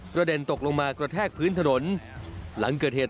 กระเด็นตกลงมากระแทกแนวที่ระหว่างฮีอร์ชระติด